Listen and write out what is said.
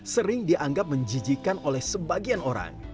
sering dianggap menjijikan oleh sebagian orang